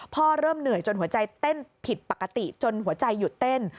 เริ่มเหนื่อยจนหัวใจเต้นผิดปกติจนหัวใจหยุดเต้น